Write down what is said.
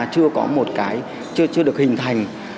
chưa có một cái chưa được hình thẳng